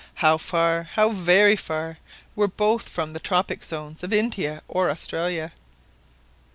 How far, how very far, were both from the tropic zones of India or Australia!